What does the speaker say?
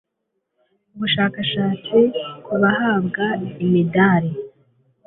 ubushakashatsi ku bahabwa imidari